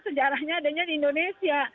sejarahnya adanya di indonesia